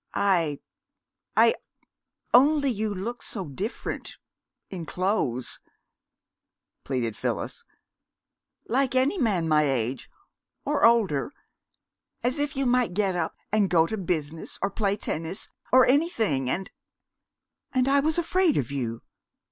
"I I only you looked so different in clothes," pleaded Phyllis, "like any man my age or older as if you might get up and go to business, or play tennis, or anything, and and I was afraid of you!